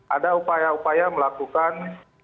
ada upaya upaya melakukan